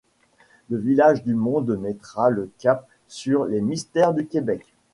Le Village du Monde mettra le cap sur les mystères du Québec.